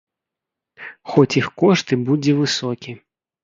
Хоць іх кошт і будзе высокі.